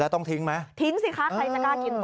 ต้องทิ้งไหมทิ้งสิคะใครจะกล้ากิน